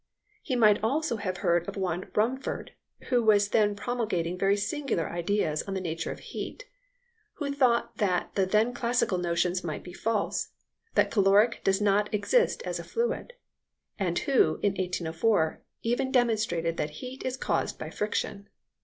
He might also have heard of one Rumford, who was then promulgating very singular ideas on the nature of heat, who thought that the then classical notions might be false, that caloric does not exist as a fluid, and who, in 1804, even demonstrated that heat is created by friction.